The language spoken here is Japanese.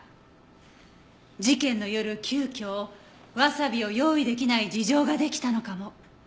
事件の夜急きょワサビを用意できない事情ができたのかも。